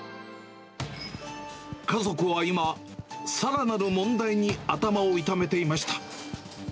家族は今、さらなる問題に頭を痛めていました。